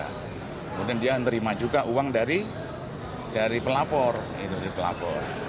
kemudian dia menerima juga uang dari pelapor